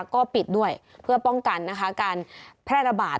ก็ปิดด้วยเพื่อป้องกันนะคะการแพร่ระบาด